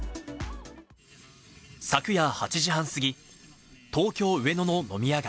昨夜８時半過ぎ、東京・上野の飲み屋街。